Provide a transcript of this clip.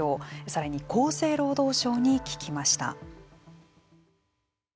さらに厚生労働省に聞きました。